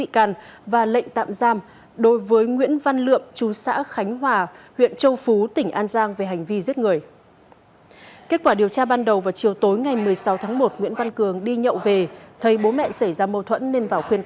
cảm ơn các bạn đã theo dõi